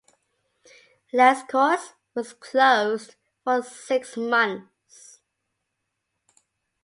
"Les Corts" was closed for six months.